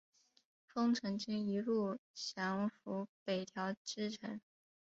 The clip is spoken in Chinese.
丰臣军一路降伏北条支城。